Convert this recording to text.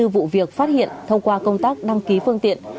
hai mươi vụ việc phát hiện thông qua công tác đăng ký phương tiện